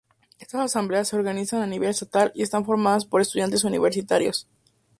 Estas Asambleas se organizan a nivel estatal y están formadas por estudiantes universitarios.